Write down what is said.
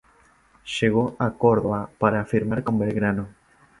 Llegó a Córdoba para firmar con Belgrano.